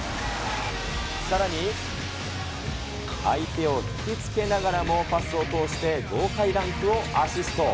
さらに相手を引き付けながらもパスを通して豪快ダンクをアシスト。